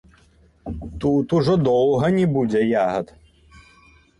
Тут ўжо доўга не будзе ягад!